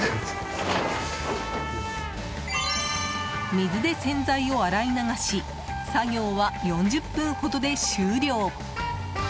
水で洗剤を洗い流し作業は４０分ほどで終了。